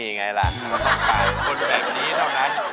นี่ไงล่ะต้องปล่อยคนแบบนี้เท่านั้น